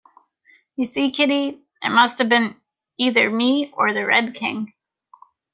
You see, Kitty, it must have been either me or the Red King.